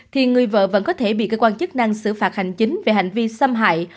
thì người vợ vẫn có thể bị cơ quan chức năng xử phạt hành chính về hành vi xâm hại